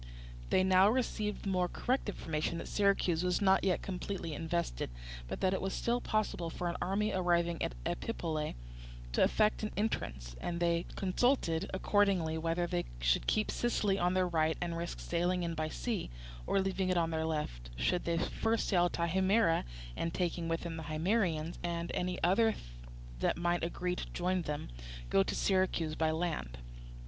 They now received the more correct information that Syracuse was not yet completely invested, but that it was still possible for an army arriving at Epipolae to effect an entrance; and they consulted, accordingly, whether they should keep Sicily on their right and risk sailing in by sea, or, leaving it on their left, should first sail to Himera and, taking with them the Himeraeans and any others that might agree to join them, go to Syracuse by land.